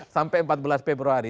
sampai empat belas februari